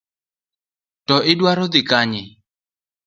To idwaro dhi kanye?